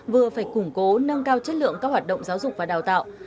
vừa phải củng cố nâng cao chất lượng các hoạt động giáo dục và đào tạo